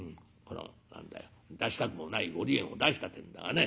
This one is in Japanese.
何だよ出したくもないご離縁を出したってえんだがね。